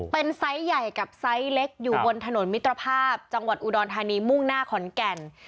เป็นไซส์ใหญ่กับไซส์เล็กอยู่บนถนนมิตรภาพจังหวัดอุดรธานีมุ่งหน้าขอนแก่น